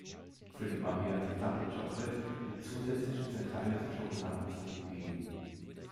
Für die Variante "Double Chocolate" wird zusätzlich zerkleinerte Schokolade zugegeben.